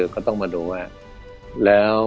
ก็ต้องมาดูว่า